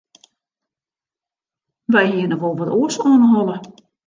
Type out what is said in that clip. Wy hiene wol wat oars oan 'e holle.